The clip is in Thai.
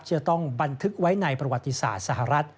จะต้องบันทึกไว้ในประวัติศาสตร์สหรัฐ